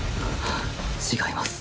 違います！